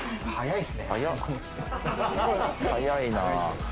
早いな。